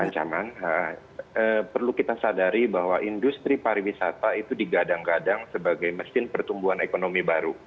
cukup lama dengan persoalan ini